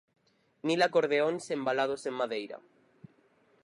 Mil acordeóns embalados en madeira.